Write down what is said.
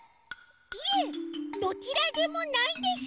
いえどちらでもないです。